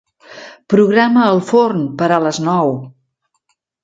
Programa el forn per a les nou.